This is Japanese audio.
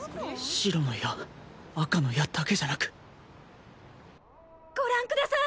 白の矢赤の矢だけじゃなく・ご覧ください